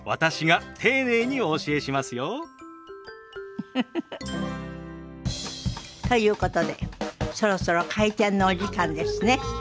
ウフフフ。ということでそろそろ開店のお時間ですね。